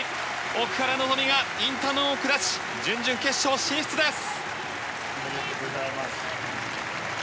奥原希望がインタノンを下し準々決勝進出です！